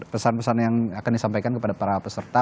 pesan pesan yang akan disampaikan kepada para peserta